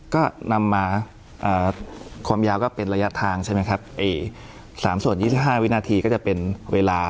ก็นำมาความยาวก็เป็นระยะทางใช่ไหมครับ๓ส่วน๒๕วินาทีก็จะเป็นเวลา